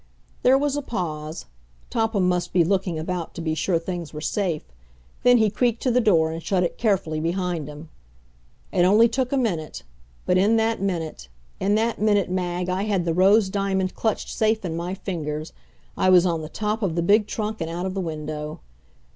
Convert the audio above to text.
There was a pause Topham must be looking about to be sure things were safe. Then he creaked to the door and shut it carefully behind him. It only took a minute, but in that minute in that minute, Mag, I had the rose diamond clutched safe in my fingers; I was on the top of the big trunk and out of the window.